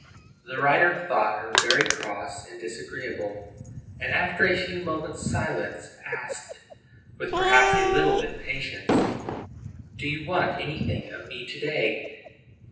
The writer thought her very cross and disagreeable, and, after a few moments' silence, asked, with perhaps a little impatience, "Do you want anything of me to day?"